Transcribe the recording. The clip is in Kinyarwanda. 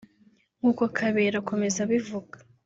nk’uko Kabera akomeza abivuga